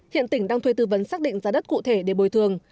hiện tỉnh đang thuê tư vấn xác định giá đất cụ thể để bồi thường